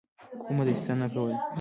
کومه دسیسه نه کوله.